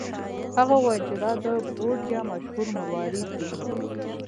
هغه وویل چې دا د بورجیا مشهور مروارید دی.